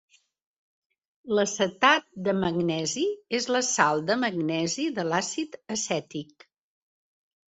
L'acetat de magnesi és la sal de magnesi de l'àcid acètic.